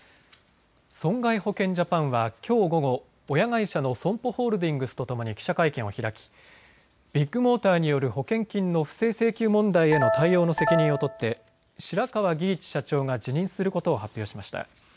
損害保険ジャパンはきょう午後、親会社のＳＯＭＰＯホールディングスとともに記者会見を開きビッグモーターによる保険金の不正請求問題への対応の責任を取って白川儀一社長が辞任することを発表しました。